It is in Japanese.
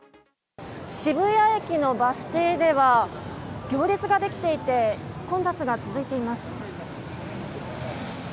渋谷駅のバス停では行列ができていて混雑が続いています。